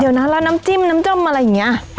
เดี๋ยวนะแล้วน้ำจิ้มน้ำจ้มอะไรอย่างนี้